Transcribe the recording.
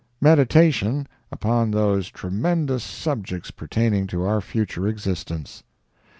meditation upon those tremendous subjects pertaining to our future existence.